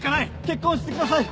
結婚してください